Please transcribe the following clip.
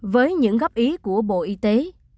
với những góp ý của bộ y tế